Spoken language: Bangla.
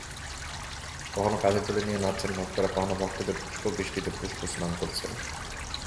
কখনো কাঁধে তুলে নিয়ে নাচছেন ভক্তরা, কখনো ভক্তদের পুষ্পবৃষ্টিতে পুষ্পস্নান করছেন।